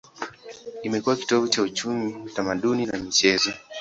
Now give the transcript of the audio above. Imekuwa kitovu cha uchumi, utamaduni na michezo.